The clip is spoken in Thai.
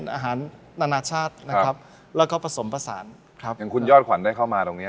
อาหารนานาชาตินะครับแล้วก็ผสมผสานครับอย่างคุณยอดขวัญได้เข้ามาตรงเนี้ย